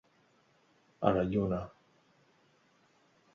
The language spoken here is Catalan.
A la lluna.